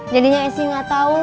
jadinya esing nggak tahu